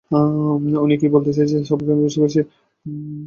উনি কি বলতে চাইছে আমি সব বুঝতে পারছি।